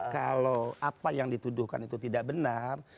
kalau apa yang dituduhkan itu tidak benar